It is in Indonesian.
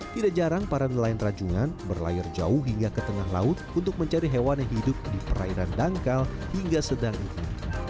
tidak jarang para nelayan rajungan berlayar jauh hingga ke tengah laut untuk mencari hewan yang hidup di perairan dangkal hingga sedang ini